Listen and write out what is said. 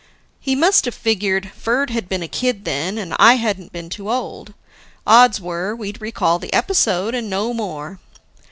He must have figured, Ferd had been a kid then, and I hadn't been too old. Odds were, we'd recall the episode, and no more.